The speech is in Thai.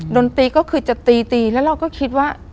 ดนตรีก็คือจะตีตีแล้วเราก็คิดว่า